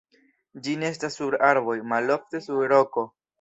Ĝi nestas sur arboj, malofte sur roko.